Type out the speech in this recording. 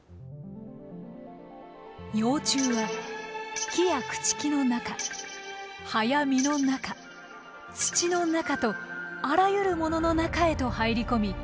幼虫は木や朽ち木の中葉や実の中土の中とあらゆるものの中へと入り込み